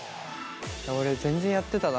俺全然やってたな早く。